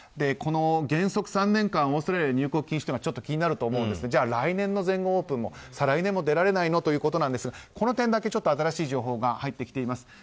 この原則３年間オーストラリアに入国禁止というのはちょっと気になると思いますが来年の全豪オープンも再来年も出られないのということなんですがこの点だけ新しい情報が入ってきています。